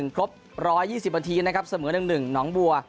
ครบ๑๒๐นาทีนะครับเสมอ๑๑หนองบัว